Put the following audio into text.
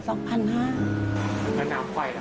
แล้วน้ำไฟล่ะครับ